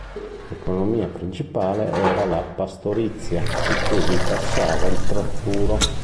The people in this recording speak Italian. L'economia principale era la pastorizia, poiché vi passava il tratturo.